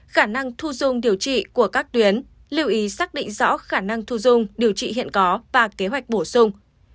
khả năng thu dung điều trị của các tuyến lưu ý xác định rõ khả năng thu dung điều trị hiện có và kế hoạch bổ sung